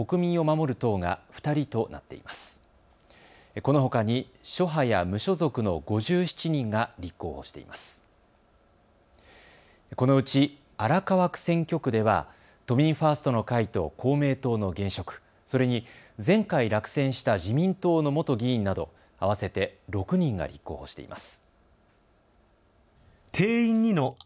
このうち荒川区選挙区では都民ファーストの会と公明党の現職、それに前回落選した自民党の元議員など合わせて６人が立候補しています。